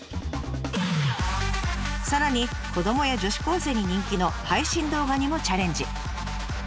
さらに子どもや女子高生に人気の配信動画にもチャレンジ。